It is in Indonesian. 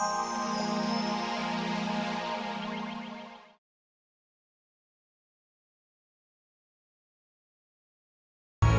ya udah kita cari cara